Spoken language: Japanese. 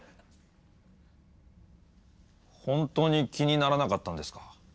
本当に気にならなかったんですか？